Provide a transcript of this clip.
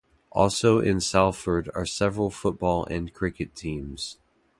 Also in Salford are several football and cricket teams.